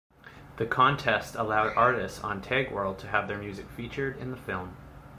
The contest allowed artists on TagWorld to have their music featured in the film.